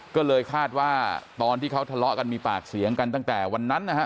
ก็เลยคาดว่าตอนที่เขาทะเลาะกันมีปากเสียงกันตั้งแต่วันนั้นนะฮะ